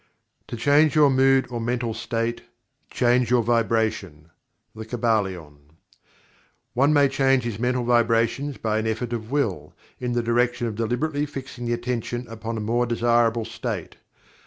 "To change your mood or mental state change your vibration." The Kybalion. One may change his mental vibrations by an effort of Will, in the direction of deliberately fixing the Attention upon a more desirable state.